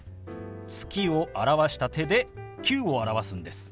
「月」を表した手で「９」を表すんです。